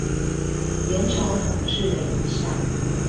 元朝統治的影響